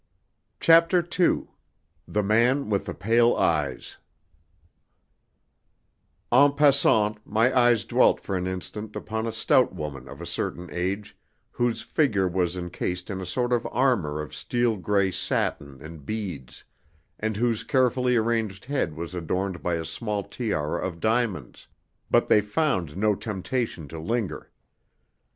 CHAPTER II The Man with the Pale Eyes En passant, my eyes dwelt for an instant upon a stout woman of a certain age, whose figure was encased in a sort of armour of steel grey satin and beads, and whose carefully arranged head was adorned by a small tiara of diamonds, but they found no temptation to linger.